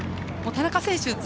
田中選手